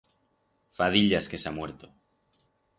Fa diyas que s'ha muerto.